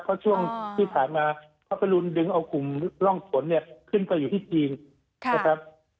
เพราะช่วงที่ผ่านมาเขาไปรุนดึงเอากลุ่มร่องฝนเนี่ยขึ้นไปอยู่ที่จีนนะครับ